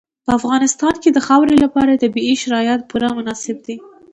په افغانستان کې د خاورې لپاره طبیعي شرایط پوره مناسب دي.